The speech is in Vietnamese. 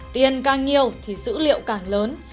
tiền càng nhiều thì dữ liệu càng lớn